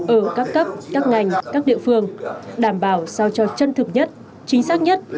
ở các cấp các ngành các địa phương đảm bảo sao cho chân thực nhất chính xác nhất